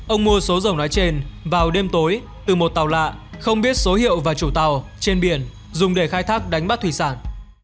ông mua số dầu nói trên vào đêm tối từ một tàu lạ không biết số hiệu và chủ tàu trên biển dùng để khai thác đánh bắt thủy sản